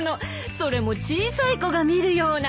それも小さい子が見るような。